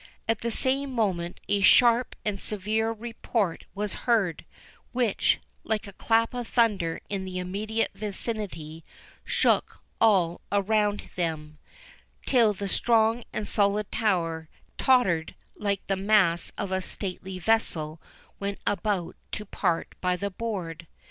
At the same moment a sharp and severe report was heard, which, like a clap of thunder in the immediate vicinity, shook all around them, till the strong and solid tower tottered like the masts of a stately vessel when about to part by the board.